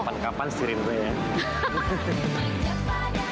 kapan kapan sih rindu ya